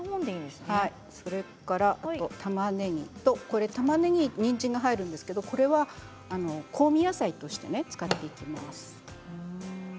それからたまねぎ、にんじんが入るんですけれど香味野菜として使っていきます。